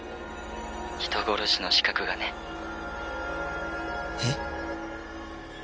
「人殺しの資格がね」え？